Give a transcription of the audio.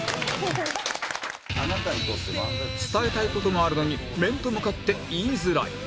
伝えたい事があるのに面と向かって言いづらい